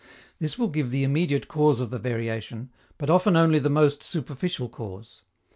This will give the immediate cause of the variation, but often only the most superficial cause.